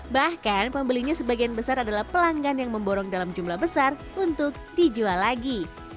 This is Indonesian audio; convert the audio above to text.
bahkan pembelinya sebagian besar adalah pelanggan yang memborong dalam jumlah besar untuk dijual lagi